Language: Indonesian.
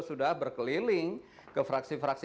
sudah berkeliling ke fraksi fraksi